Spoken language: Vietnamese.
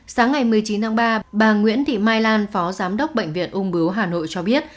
sáng ngày một mươi chín tháng ba bà nguyễn thị mai lan phó giám đốc bệnh viện ung bướu hà nội cho biết